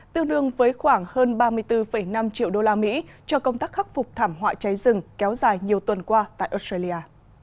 tương đương với khoảng hơn ba mươi bốn năm triệu đô la mỹ cho công tác khắc phục thảm họa cháy rừng kéo dài nhiều tuần qua tại australia